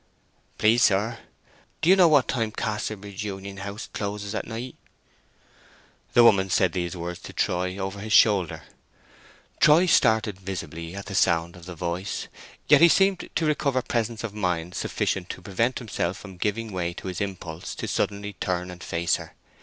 "Please, sir, do you know at what time Casterbridge Union house closes at night?" The woman said these words to Troy over his shoulder. Troy started visibly at the sound of the voice; yet he seemed to recover presence of mind sufficient to prevent himself from giving way to his impulse to suddenly turn and face her.